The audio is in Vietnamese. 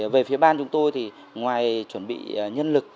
về phía ban chúng tôi thì ngoài chuẩn bị nhân lực